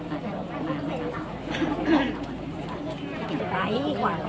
อ้าวอีกไม่เหมือนกันไว้ข้างหลัง